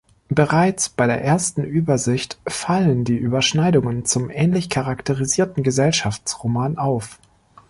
Bereits bei der ersten Übersicht fallen die Überschneidungen zum ähnlich charakterisierten Gesellschaftsroman auf.